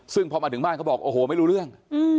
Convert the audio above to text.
ซึ่งพอมาถึงบ้านเขาบอกโอ้โหไม่รู้เรื่อง